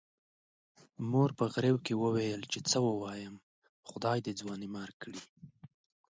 مور په غريو کې وويل چې څه ووايم، خدای دې ځوانيمرګ کړي.